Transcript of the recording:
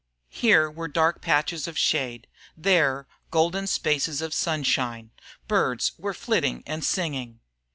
Here were dark patches of shade, there golden spaces of sunshine. Birds were flitting and singing.